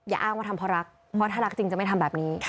อ้างว่าทำเพราะรักเพราะถ้ารักจริงจะไม่ทำแบบนี้